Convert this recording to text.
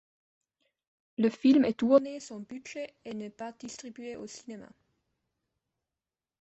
Le film est tourné sans budget et n'est pas distribué au cinéma.